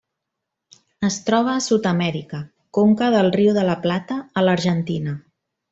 Es troba a Sud-amèrica: conca del riu de La Plata a l'Argentina.